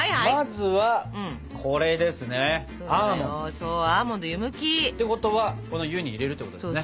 そうアーモンド湯むき！てことはこの湯に入れるってことですね。